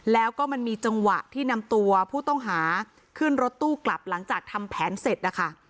แล้วก็มันมีจังหวะที่นำตัวผู้ต้องหาขึ้นรถตู้กลับหลังจากทำแผนเสร็จนะคะ